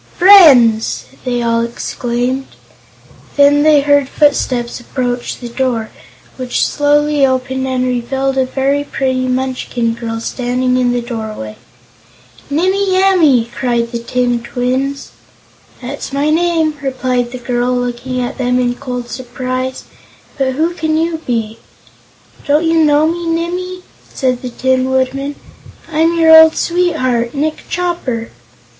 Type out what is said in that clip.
"Friends!" they all exclaimed. Then they heard footsteps approach the door, which slowly opened and revealed a very pretty Munchkin girl standing in the doorway. "Nimmie Amee!" cried the tin twins. "That's my name," replied the girl, looking at them in cold surprise. "But who can you be?" "Don't you know me, Nimmie?" said the Tin Woodman. "I'm your old sweetheart, Nick Chopper!"